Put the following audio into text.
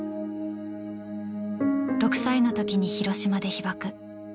６歳のときに広島で被爆。